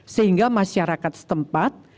sehingga masyarakat setempat